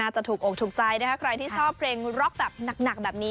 จะถูกอกถูกใจนะคะใครที่ชอบเพลงร็อกแบบหนักแบบนี้